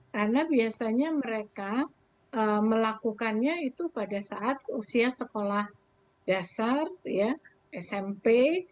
karena biasanya mereka melakukannya itu pada saat usia sekolah dasar smp